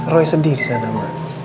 roy sedih disana ma